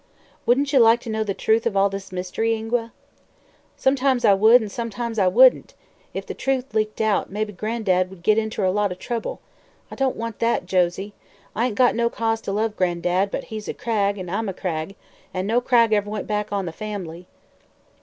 "Wouldn't you like to know the truth of all this mystery, Ingua?" "Sometimes I would, an' sometimes I wouldn't. If the truth leaked out, mebbe Gran'dad would git inter a lot o' trouble. I don't want that, Josie. I ain't no cause to love Gran'dad, but he's a Cragg an' I'm a Cragg, an' no Cragg ever went back on the fambly."